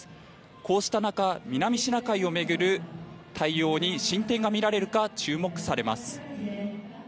こうした中南シナ海を巡る対応に進展が見られるか注目されます。